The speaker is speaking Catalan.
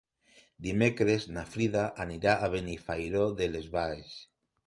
Dimecres na Frida anirà a Benifairó de les Valls.